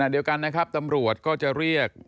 เดียวกันนะครับตำรวจก็จะเรียก